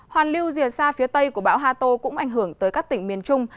hoàn lưu dìa xa phía tây của bão hà tô cũng ảnh hưởng tới các tỉnh miền trung